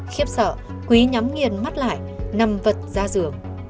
khiếp sợ quý nhắm nghiền mắt lại nằm vật ra giường